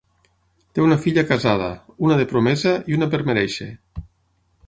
Té una filla casada, una de promesa i una per merèixer.